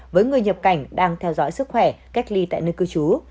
với người nhập cảnh đang theo dõi sức khỏe cách ly tại nơi cư trú